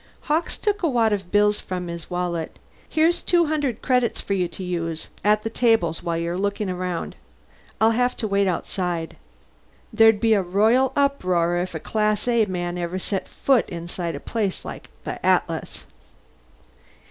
Hawkes took a wad of bills from his wallet. "Here's two hundred credits for you to use at the tables while you're looking around. I'll have to wait outside. There'd be a royal uproar if a Class A man ever set foot inside a place like the Atlas."